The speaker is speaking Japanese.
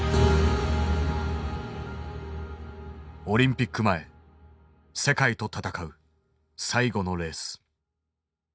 オリンピック前世界と戦う最後のレース。